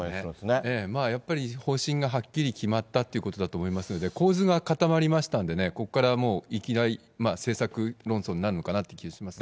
やっぱり、方針がはっきり決まったということだと思いますので、構図が固まりましたんでね、ここからもう、いきなり政策論争になるのかなという気がしますね。